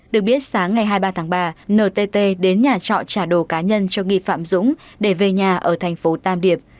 được biết sáng ngày hai mươi ba tháng ba ntt đến nhà trọ trả đồ cá nhân cho nghi phạm dũng để về nhà ở thành phố tam điệp